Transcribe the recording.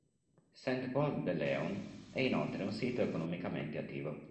St-Pol-de-Léon è inoltre un sito economicamente attivo.